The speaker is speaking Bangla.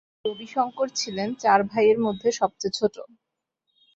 রবি শংকর ছিলেন চার ভাইয়ের মধ্যে সবচেয়ে ছোট।